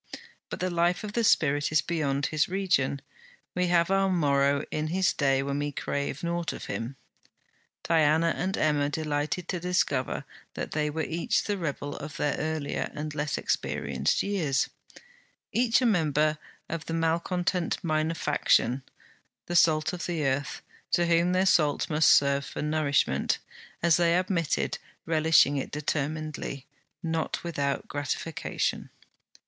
But the life of the spirit is beyond his region; we have our morrow in his day when we crave nought of him. Diana and Emma delighted to discover that they were each the rebel of their earlier and less experienced years; each a member of the malcontent minor faction, the salt of earth, to whom their salt must serve for nourishment, as they admitted, relishing it determinedly, not without gratification.